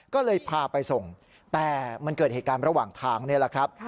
ก็เลยพาไปส่งแต่มันเกิดเหตุการณ์ระหว่างทางนี่แหละครับ